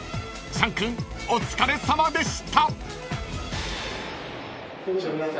［チャン君お疲れさまでした］